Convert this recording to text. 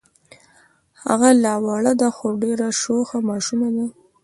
هغه لا وړه ده خو ډېره شوخه ماشومه ده.